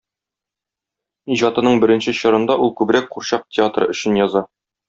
Иҗатының беренче чорында ул күбрәк курчак театры өчен яза.